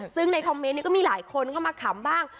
ซึ่งในคอมเมนต์นี้ก็มีหลายคนเข้ามาขำบ้าง